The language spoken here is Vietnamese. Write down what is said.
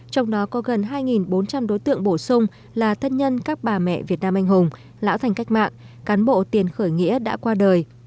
trong đó có gần hai bốn trăm linh đối tượng bổ sung là thân nhân các bà mẹ việt nam anh hùng lão thành cách mạng cán bộ tiền khởi nghĩa đã qua đời